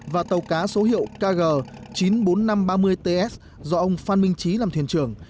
và tàu cá số hiệu kg chín mươi bốn nghìn năm trăm ba mươi ts do ông phan minh trí làm thuyền trưởng